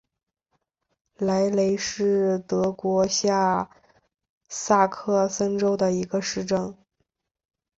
莱雷是德国下萨克森州的一个市镇。